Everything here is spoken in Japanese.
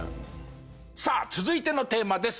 さあ続いてのテーマです。